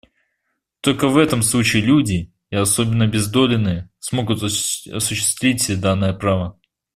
Только в этом случае люди, и особенно обездоленные, смогут осуществить данное право.